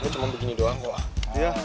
cuma begini doang kok